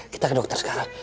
kita ke dokter sekarang